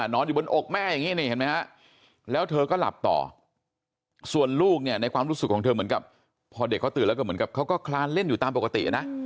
นอนอยู่บนอกแม่อย่างนี้นี่เห็นไหมฮะแล้วเธอก็หลับต่อส่วนลูกเนี่ยในความรู้สึกของเธอเหมือนกับพอเด็กเขาตื่นแล้วก็เหมือนกับเขาก็คลานเล่นอยู่ตามปกตินะ